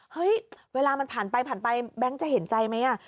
เฮ้ยเวลามันผ่านไปผ่านไปแบงค์จะเห็นใจไหม